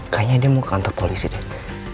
kayaknya dia mau ke kantor polisi deh